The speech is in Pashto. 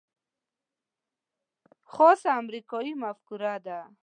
خاصه امریکايي مفکوره ده.